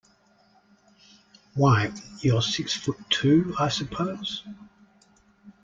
Why, you're six foot two, I suppose?